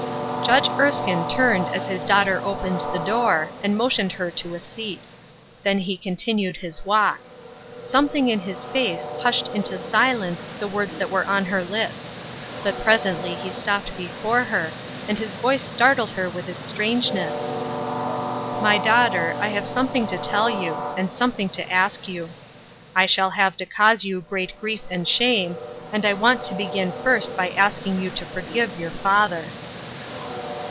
Judge Erskine turned as his daughter opened the door, and motioned her to a seat. Then he continued his walk. Something in his face hushed into silence the words that were on her lips; but presently he stopped before her, and his voice startled her with its strangeness. "My daughter, I have something to tell you, and something to ask you. I shall have to cause you great grief and shame, and I want to begin first by asking you to forgive your father."